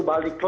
balik ke sana